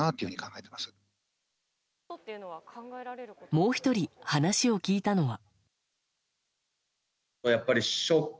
もう１人、話を聞いたのは。